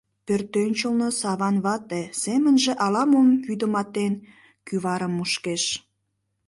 Пӧртӧнчылнӧ Саван вате, семынже ала-мом вудыматен, кӱварым мушкеш.